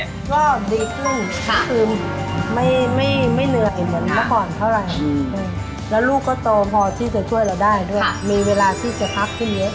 ก็ดีขึ้นทุกคืนไม่เหนื่อยเหมือนเมื่อก่อนเท่าไหร่แล้วลูกก็โตพอที่จะช่วยเราได้ด้วยมีเวลาที่จะพักพี่เล็ก